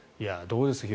どうですか？